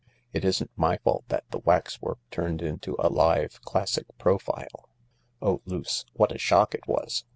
It isn't my fault that the waxwork turned into a live, classic profile. Oh, Luce, what a shock it was